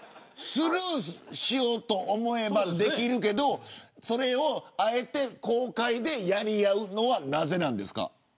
スルーしようと思えばできるけどそれを、あえて公開でやりあうのは、なぜなんですか。